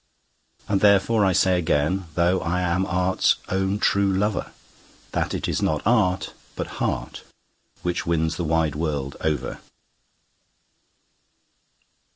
And therefore I say again, though I am art's own true lover, That it is not art, but heart, which wins the wide world over.